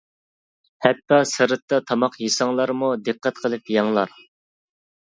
! ھەتتا سىرتتا تاماق يېسەڭلارمۇ دىققەت قىلىپ يەڭلار!